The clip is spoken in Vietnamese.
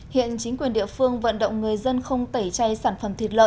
hiện chính quyền địa phương vận động người dân không tẩy chay sản phẩm